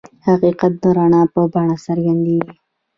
حقیقت د رڼا په بڼه څرګندېږي.